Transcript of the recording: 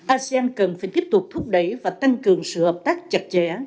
asean cần phải tiếp tục thúc đẩy và tăng cường sự hợp tác chặt chẽ